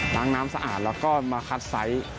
น้ำสะอาดแล้วก็มาคัดไซส์